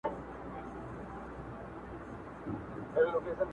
د افغانستان تر وګړیو خېژي